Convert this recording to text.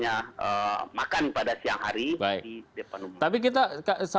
jadi kami sudah membuat pembelian makanan pada siang hari di depan rumah